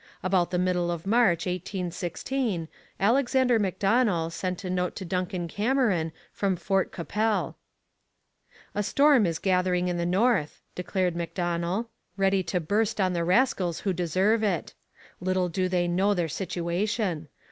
About the middle of March 1816 Alexander Macdonell sent a note to Duncan Cameron from Fort Qu'Appelle. 'A storm is gathering in the north,' declared Macdonell, 'ready to burst on the rascals who deserve it; little do they know their situation.